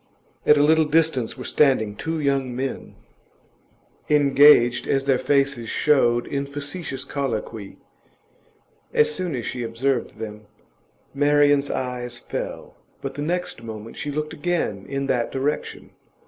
At a little distance were standing two young men, engaged, as their faces showed, in facetious colloquy; as soon as she observed them, Marian's eyes fell, but the next moment she looked again in that direction.